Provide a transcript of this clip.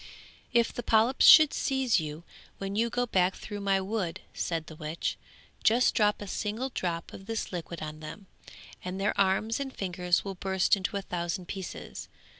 'If the polyps should seize you, when you go back through my wood,' said the witch, 'just drop a single drop of this liquid on them, and their arms and fingers will burst into a thousand pieces.'